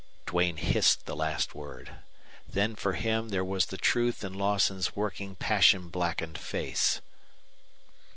Duane hissed the last word. Then for him there was the truth in Lawson's working passion blackened face.